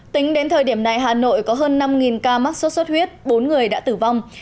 tính đến thời điểm này hà nội có hơn năm ca mắc sốt xuất huyết bốn người đã tử vong